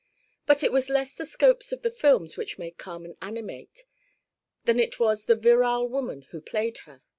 But it was less the scopes of the films which made Carmen animate than it was the virile woman who played her.